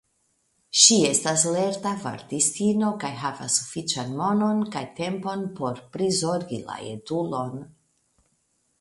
Ŝi estas lerta vartistino kaj havas sufiĉan monon kaj tempon por prizorgi la etulon.